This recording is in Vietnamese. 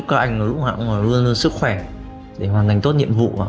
các anh lúc nào cũng luôn luôn sức khỏe để hoàn thành tốt nhiệm vụ